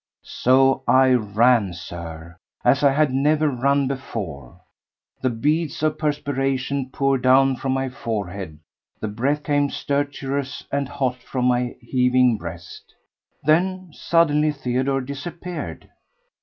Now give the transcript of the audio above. So I ran, Sir, as I had never run before; the beads of perspiration poured down from my forehead; the breath came stertorous and hot from my heaving breast. Then suddenly Theodore disappeared!